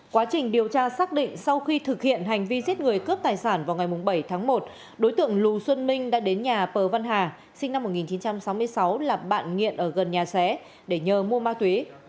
quá trình điều tra xác định sau khi thực hiện hành vi giết người cướp tài sản vào ngày bảy tháng một đối tượng lù xuân minh đã đến nhà pờ văn hà sinh năm một nghìn chín trăm sáu mươi sáu là bạn nghiện ở gần nhà xé để nhờ mua ma túy